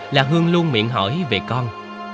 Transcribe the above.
là hương luôn miệng hỏi về con